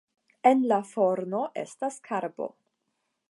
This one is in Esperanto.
En la forno estas karbo.